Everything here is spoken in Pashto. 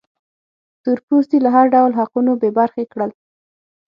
تور پوستي له هر ډول حقونو بې برخې کړل.